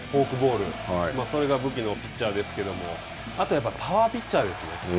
そしてフォークボール、それが武器のピッチャーですけどもあと、パワーピッチャーですね。